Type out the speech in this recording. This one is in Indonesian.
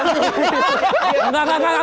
dia belum pernah lagi kan